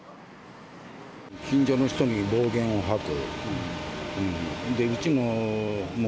近所の人に暴言を吐く。